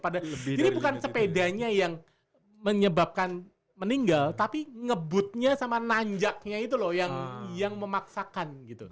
padahal ini bukan sepedanya yang menyebabkan meninggal tapi ngebutnya sama nanjaknya itu loh yang memaksakan gitu